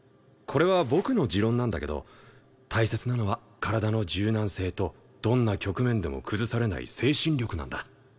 これは僕の持論なんだけど大切なのは体の柔軟性とどんな局面でも崩されない精神力なんだ。